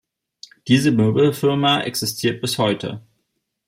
Diese Möbelfirma existiert bis heute.